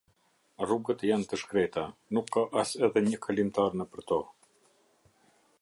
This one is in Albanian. Rrugët janë të shkreta, nuk ka as edhe një kalimtar nëpër to.